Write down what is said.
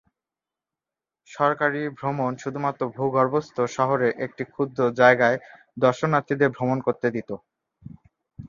সরকারী ভ্রমণ শুধুমাত্র ভূগর্ভস্থ শহরের একটি ক্ষুদ্র জায়গায় দর্শনার্থীদের ভ্রমণ করতে দিত।